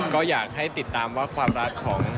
ก็อยากให้ติดตามว่าความรักของ